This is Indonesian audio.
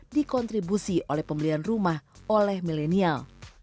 dikontribusi oleh pembelian rumah oleh milenial